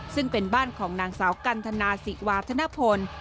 ซึ่งเป็นบ้านของนางสาวกันทนาศิวาธนพล